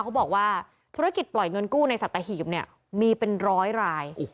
เขาบอกว่าธุรกิจปล่อยเงินกู้ในสัตหีบเนี่ยมีเป็นร้อยราย